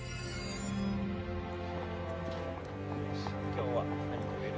今日は何食べる？